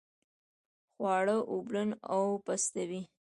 خواړه اوبلن او پستوي.